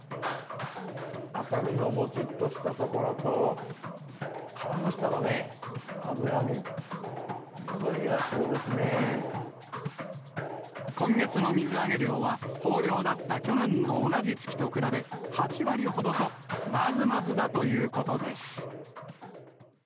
赤身のもちっとしたところと、皮の下のね、今月の水揚げ量は、豊漁だった去年の同じ月と比べ、８割ほどと、まずまずだということです。